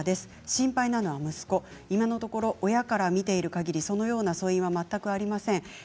心配なのは息子今のところ親から見ているかぎりそのような素因はありません。